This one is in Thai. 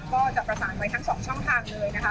ก็จะประสานไปทั้งสองช่องทางเลยนะคะ